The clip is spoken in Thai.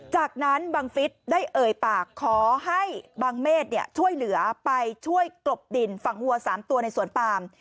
จากนั้นบังฟิศได้เอ่ยปากขอให้บังเมฆช่วยเหลือไปช่วยกลบดินฝั่งวัว๓ตัวในสวนปาม